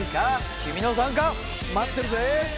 君の参加待ってるぜ！